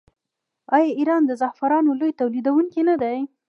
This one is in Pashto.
آیا ایران د زعفرانو لوی تولیدونکی نه دی؟